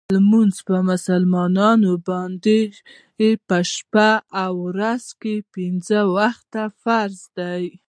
لمونځ په مسلمانانو باندې په شپه او ورځ کې پنځه وخته فرض دی .